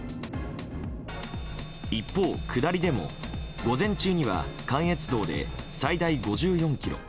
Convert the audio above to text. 一方、下りでも午前中には関越道で最大５４ｋｍ。